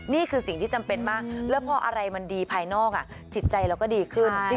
นี่คือสิ่งที่จำเป็นมากแล้วพออะไรมันดีภายนอกจิตใจเราก็ดีขึ้น